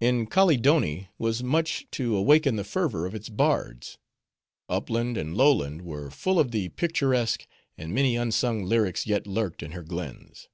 In Kaleedoni was much to awaken the fervor of its bards. Upland and lowland were full of the picturesque; and many unsung lyrics yet lurked in her glens.